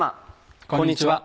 こんにちは。